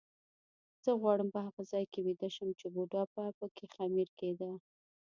زه غواړم په هغه ځای کې ویده شم چې بوډا به پکې خمیر کېده.